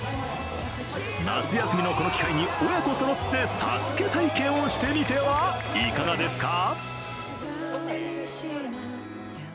夏休みのこの機会に、親子そろって「ＳＡＳＵＫＥ」体験をしてみてはいかがですか。